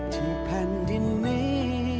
ที่แผ่นดินนี้